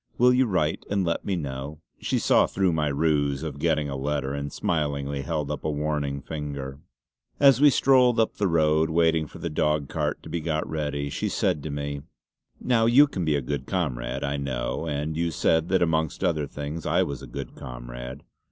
Will you write and let me know?" She saw through my ruse of getting a letter, and smilingly held up a warning finger. As we strolled up the road, waiting for the dog cart to be got ready, she said to me: "Now you can be a good comrade I know; and you said that, amongst other things, I was a good comrade.